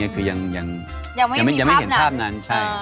คือยังไม่เห็นภาพนั้น